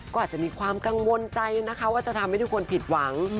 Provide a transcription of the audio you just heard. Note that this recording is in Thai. ก็อาจจะมีความกังวลใจนะคะว่าจะทำให้ทุกคนผิดหวัง